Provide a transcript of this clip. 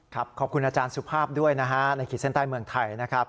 ขอบคุณอาจารย์สุภาพด้วยนะฮะในขีดเส้นใต้เมืองไทยนะครับ